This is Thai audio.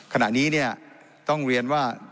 ขณะนี้ต้องเรียนว่า